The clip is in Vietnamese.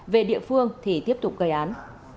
về địa phương thì tiếp tục gây án